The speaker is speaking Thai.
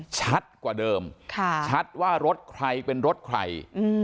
ชัดกว่าเดิมชัดว่ารถใครเป็นรถใคร